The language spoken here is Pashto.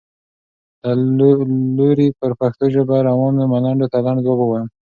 له لوري پر پښتو ژبه روانو ملنډو ته لنډ ځواب ووایم.